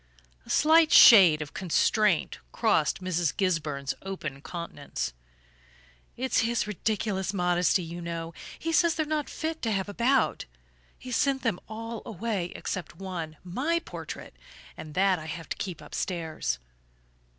A slight shade of constraint crossed Mrs. Gisburn's open countenance. "It's his ridiculous modesty, you know. He says they're not fit to have about; he's sent them all away except one my portrait and that I have to keep upstairs."